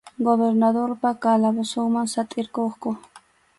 Gobernadorpa calabozonman satʼirquqku.